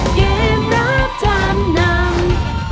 เกมรับจำนำ